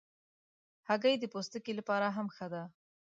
هګۍ د پوستکي لپاره هم ښه ده.